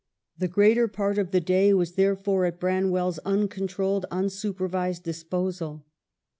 The greater part of the day was, there fore, at Branwell's uncontrolled, unsupervised disposal.